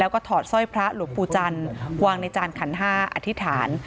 แล้วก็ถอดสร้อยพระหลวงปู่จันทร์วางในจานขันห้าอธิษฐาน